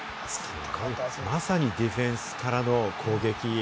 まさにディフェンスからの攻撃。